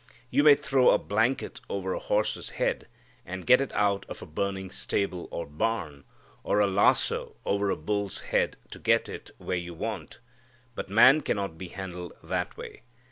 You may throw a blanket over a horse's head and get it out of a burning stable or barn; or a lasso over a bull's head to get it where you want, but man cannot be handled that way.